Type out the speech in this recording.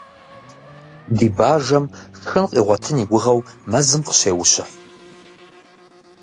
Ди бажэм шхын къигъуэтын и гугъэу мэзым къыщеущыхь.